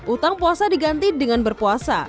utang puasa diganti dengan berpuasa